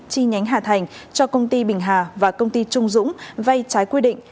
chi nhánh hà thành cho công ty bình hà và công ty trung dũng vay trái quy định